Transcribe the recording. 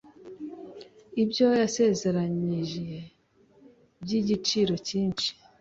ibyo yasezeranije by'igiciro cyinshi: